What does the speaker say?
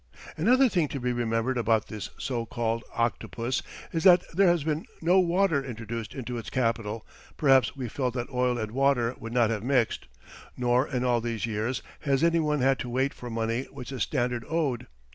Another thing to be remembered about this so called "octopus" is that there has been no "water" introduced into its capital (perhaps we felt that oil and water would not have mixed); nor in all these years has any one had to wait for money which the Standard owed.